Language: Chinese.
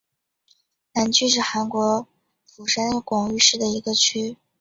南区是韩国釜山广域市的一个区。